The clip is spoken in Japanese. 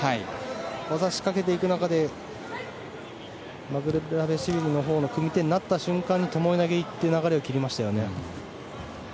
技を仕掛けていく中でマルクベラシュビリのほうが組み手になった瞬間にともえ投げに行って流れを切りましたよね。